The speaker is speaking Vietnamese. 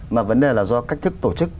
mà vấn đề là do cách thức tổ chức